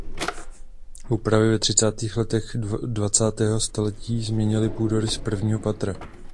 Úpravy ve třicátých letech dvacátého století změnily půdorys prvního patra.